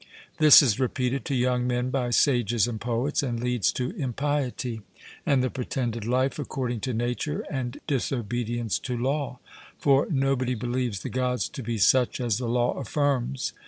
This is repeated to young men by sages and poets, and leads to impiety, and the pretended life according to nature and in disobedience to law; for nobody believes the Gods to be such as the law affirms.